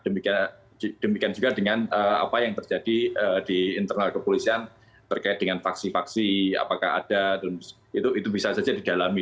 demikian juga dengan apa yang terjadi di internal kepolisian terkait dengan faksi faksi apakah ada itu bisa saja didalami